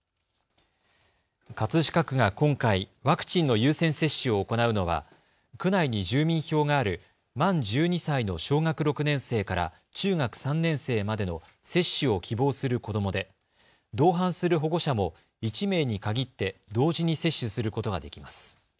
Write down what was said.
葛飾区が今回、ワクチンの優先接種を行うのは区内に住民票がある満１２歳の小学６年生から中学３年生までの接種を希望する子どもで同伴する保護者も１名に限って同時に接種することができます。